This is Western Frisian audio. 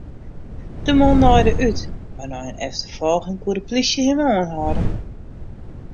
De man naaide út, mar nei in efterfolging koe de plysje him oanhâlde.